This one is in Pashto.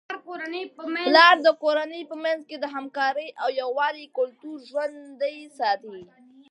پلار د کورنی په منځ کي د همکارۍ او یووالي کلتور ژوندۍ ساتي.